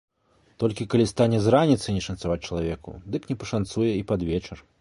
Толькі калі стане з раніцы не шанцаваць чалавеку, дык не пашанцуе і пад вечар.